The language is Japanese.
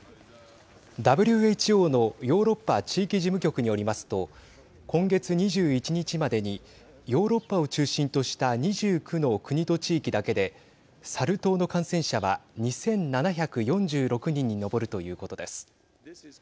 ＷＨＯのヨーロッパ地域事務局によりますと今月２１日までにヨーロッパを中心とした２９の国と地域だけでサル痘の感染者は２７４６人に上るということです。